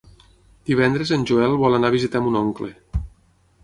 Divendres en Joel vol anar a visitar mon oncle.